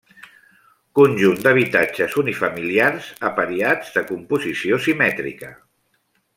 Conjunt d'habitatges unifamiliars apariats de composició simètrica.